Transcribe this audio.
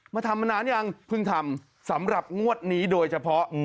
มาทำมานานยังเพิ่งทำสำหรับงวดนี้โดยเฉพาะ